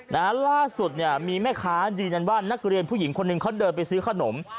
ล่าสุดเนี่ยมีแม่ค้ายืนยันว่านักเรียนผู้หญิงคนหนึ่งเขาเดินไปซื้อขนม